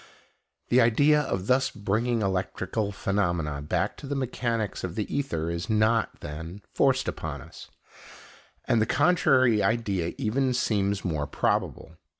The idea of thus bringing electrical phenomena back to the mechanics of the ether is not, then, forced upon us, and the contrary idea even seems more probable.